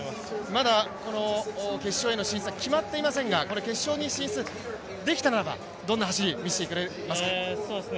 まだ決勝への進出が決まっていませんが決勝に進出できたらどんな走りを見せてくれますか。